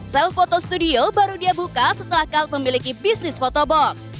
self photo studio baru dia buka setelah kalv memiliki bisnis photobox